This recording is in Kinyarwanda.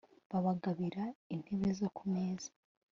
Babagabira intebe zo ku meza